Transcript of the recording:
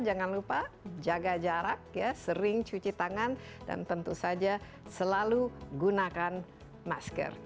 jangan lupa jaga jarak sering cuci tangan dan tentu saja selalu gunakan masker